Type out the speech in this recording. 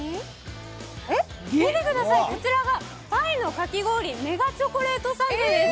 見てください、こちらがタイのかき氷、メガチョコレートサンデーです。